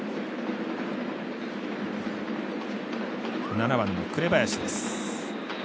７番の紅林です。